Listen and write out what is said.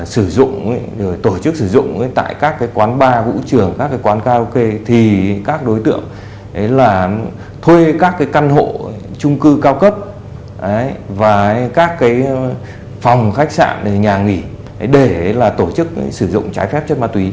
sử dụng tổ chức sử dụng tại các quán bar vũ trường các quán karaoke thì các đối tượng là thuê các căn hộ trung cư cao cấp và các phòng khách sạn nhà nghỉ để tổ chức sử dụng trái phép chất ma túy